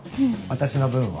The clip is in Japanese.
私の分は？